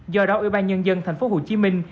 do đó ủy ban nhân dân thành phố hồ chí minh